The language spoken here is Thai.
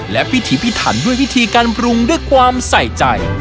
และพิธีพิถันด้วยวิธีการปรุงด้วยความใส่ใจ